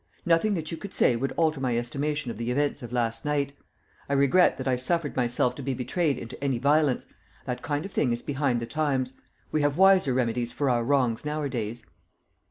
Nothing that you could say would alter my estimation of the events of last night. I regret that I suffered myself to be betrayed into any violence that kind of thing is behind the times. We have wiser remedies for our wrongs nowadays."